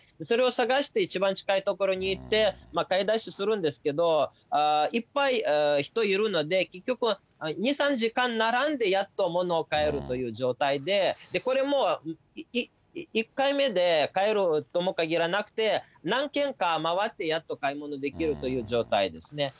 それを探して一番近い所に行って、買い出しするんですけど、いっぱい人いるので結局は２、３時間並んで、やっと物を買えるという状態で、これも１回目で買えるともかぎらなくて、何軒か回って、やっと買い物できるという状態ですね。